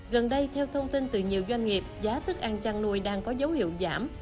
gần đây theo thông tin từ nhiều doanh nghiệp giá thức ăn chăn nuôi đang có dấu hiệu giảm